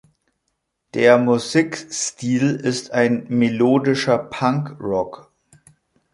Der Musikstil ist ein melodischer Punkrock.